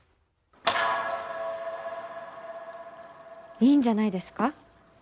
いいんじゃないですか？